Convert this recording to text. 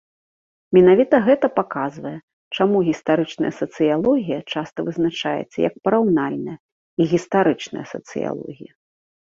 Менавіта гэта паказвае, чаму гістарычная сацыялогія часта вызначаецца як параўнальная і гістарычная сацыялогія.